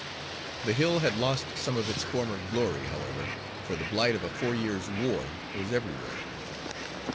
The Hill had lost some of its former glory, however, for the blight of a four years' war was everywhere.